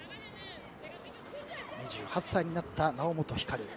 ２８歳になった猶本光。